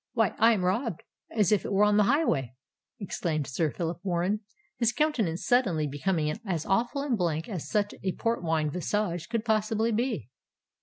"Why—I am robbed as if it were on the highway!" exclaimed Sir Phillip Warren, his countenance suddenly becoming as awful and blank as such a Port wine visage could possibly be.